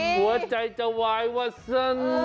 หัวใจจะวายวัสสะหันธ์